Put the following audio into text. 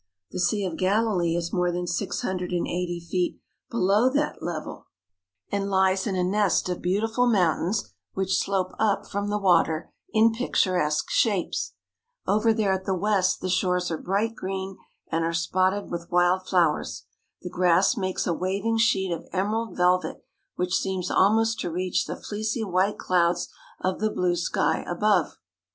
The Sea of Galilee is more than six hundred and eighty feet ,below that level and lies 187 THE HOLY LAND AND SYRIA in a nest of beautiful mountains which slope up from the water in picturesque shapes. Over there at the west the shores are bright green and are spotted with wild flowers. The grass makes a wav ing sheet of emerald velvet which seems almost to reach the fleecy white clouds of the blue sky above.